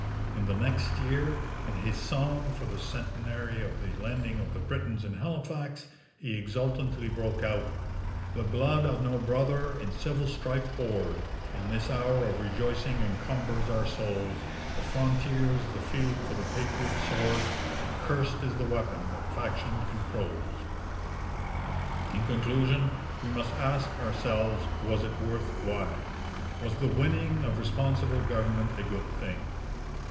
In the next year, in his song for the centenary of the landing of the Britons in Halifax, he exultantly broke out: The blood of no brother, in civil strife poured, In this hour of rejoicing encumbers our souls! The frontier's the field for the patriot's sword, And cursed is the weapon that faction controls! In conclusion we must ask ourselves, was it worth while? Was the winning of Responsible Government a good thing?